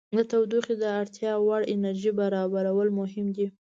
د تودوخې د اړتیا وړ انرژي برابرول مهم دي.